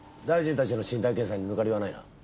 大臣たちの身体検査に抜かりはないな？